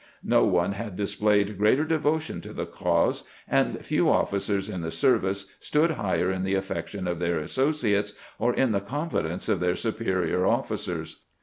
No one had displayed greater de votion to the cause, and few oflBcers in the service stood higher in the affection of their associates or in the con COEEESPONDENCE WITH GENEEAL THOMAS 335 Mence of their superior officers.